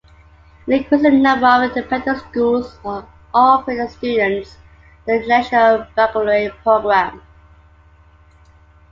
An increasing number of independent schools are offering their students the International Baccalaureate Programme.